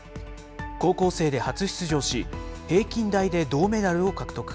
高校生で初出場し、平均台で銅メダルを獲得。